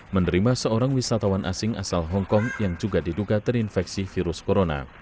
menerima seorang wisatawan asing asal hongkong yang juga diduga terinfeksi virus corona